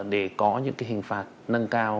để có những cái hình phạt nâng cao